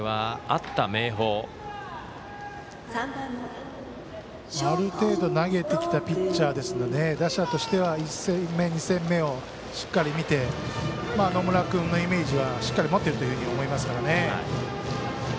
ある程度投げてきたピッチャーですので打者としては１戦目、２戦目をしっかり見て野村君のイメージはしっかり持っているというふうに思いますからね。